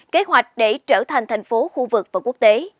kế hoạch để trở thành thành phố khu vực và quốc tế